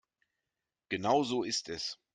Genau so ist es.